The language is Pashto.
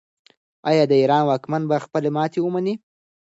آیا د ایران واکمن به خپله ماتې ومني؟